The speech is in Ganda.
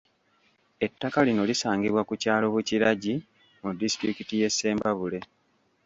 Ettaka lino lisangibwa ku kyalo Bukiragyi mu disitulikiti y'e Ssembabule.